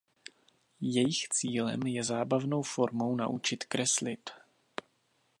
Jejich cílem je zábavnou formou naučit kreslit.